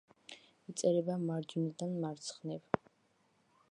იწერება მარჯვნიდან მარცხნივ.